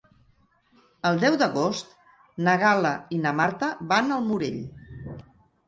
El deu d'agost na Gal·la i na Marta van al Morell.